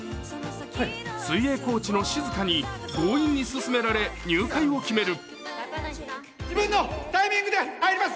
水泳コーチの静香に強引に勧められ入会を決める。